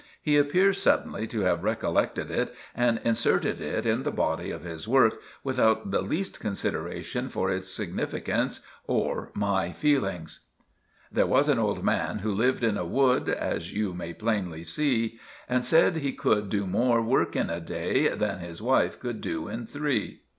He appears suddenly to have recollected it and inserted it in the body of his work, without the least consideration for its significance or my feelings. "'There was an old man who lived in a wood As you may plainly see, And said he could do more work in a day Than his wife could do in three.